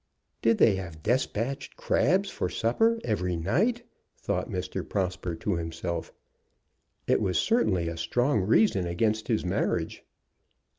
Did they have despatched crabs for supper every night? thought Mr. Prosper to himself. It was certainly a strong reason against his marriage.